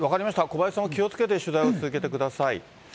小林さんも気をつけて取材を続けてください。